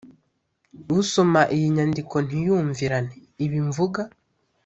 usoma iyi nyandiko ntiyumvirane! ibi mvuga